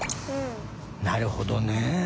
なるほどね。